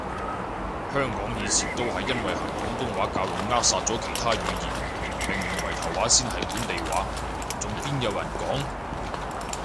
香港以前都係因為行廣東話教育扼殺咗其他語言，明明圍頭話先係本地話，仲邊有人講？